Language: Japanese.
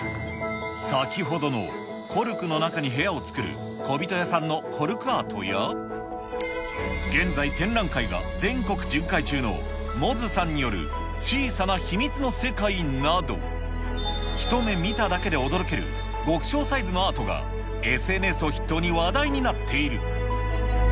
先ほどのコルクの中に部屋を作る、こびと屋さんのコルクアートや、現在、展覧会が全国巡回中の、モズさんによる、ちいさなひみつのせかいなど、ひと目見ただけで驚ける、極小サイズのアートが、ＳＮＳを筆頭に話題になっている。